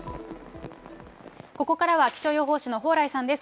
ここからは気象予報士の蓬莱さんです。